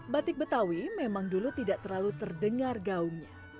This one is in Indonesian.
batik betawi memang dulu tidak terlalu terdengar gaungnya